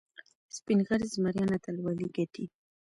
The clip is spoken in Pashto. سپین غر زمریان اتلولي ګټي.